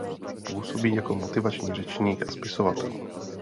Působí jako motivační řečník a spisovatel.